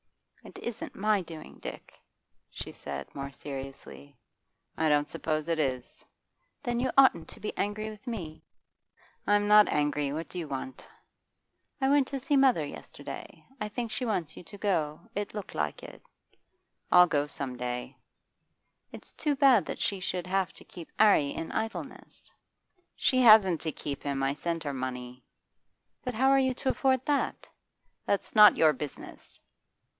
'It isn't my doing, Dick,' she said more seriously. 'I don't suppose it is.' 'Then you oughtn't to be angry with me.' 'I'm not angry. What do you want?' 'I went to see mother yesterday. I think she wants you to go; it looked like it.' 'I'll go some day.' 'It's too bad that she should have to keep 'Arry in idleness.' 'She hasn't to keep him. I send her money.' 'But how are you to afford that?' 'That's not your business.